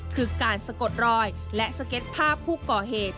คือการสะกดรอยและสเก็ตภาพผู้ก่อเหตุ